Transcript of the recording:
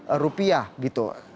apa jawaban anda